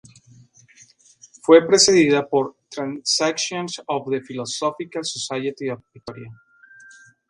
Fue precedida por "Transactions of the Philosophical Society of Victoria".